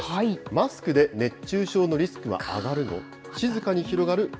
マスクで熱中症のリスクは上がるの？